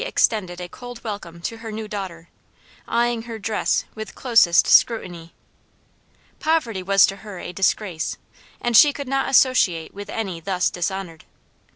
extended a cold welcome to her new daughter, eyeing her dress with closest scrutiny. Poverty was to her a disgrace, and she could not associate with any thus dishonored.